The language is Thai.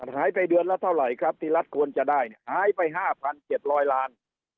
หายไปเดือนแล้วเท่าไหร่ครับที่รัฐควรจะได้หายไปห้าพันเจ็ดร้อยล้าน